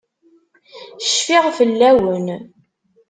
Cfiɣ fell-awen.